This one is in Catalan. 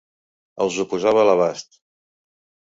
Els ho posava a l'abast.